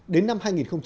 đến năm hai nghìn ba mươi